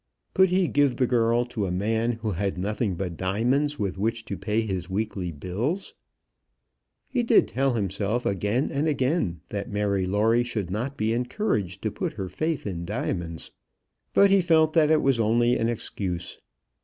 Could he give the girl to a man who had nothing but diamonds with which to pay his weekly bills? He did tell himself again and again, that Mary Lawrie should not be encouraged to put her faith in diamonds. But he felt that it was only an excuse.